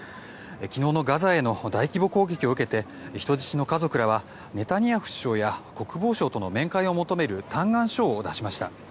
昨日のガザへの大規模攻撃を受けて人質の家族らはネタニヤフ首相や国防相との面会を求める嘆願書を出しました。